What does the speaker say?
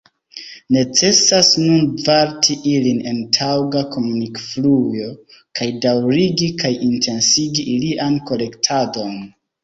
Necesas nun varti ilin en taŭga komunikfluo kaj daŭrigi kaj intensigi ilian kolektadon.